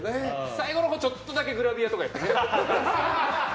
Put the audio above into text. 最後のほう、ちょっとだけグラビアとかやってね。